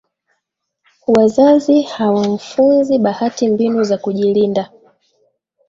Wazazi hawamfunzi Bahat mbinu za kujilinda